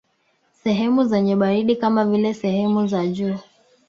Sehemu zenye baridi kama vile sehemu za juu